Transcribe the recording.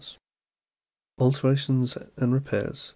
80 Alterations and repairs.